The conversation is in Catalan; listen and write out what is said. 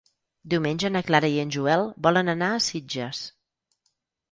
Diumenge na Clara i en Joel volen anar a Sitges.